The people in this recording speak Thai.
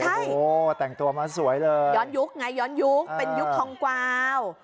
โอ้โหแต่งตัวมาสวยเลยย้อนยุคไงย้อนยุคเป็นยุคทองกวาว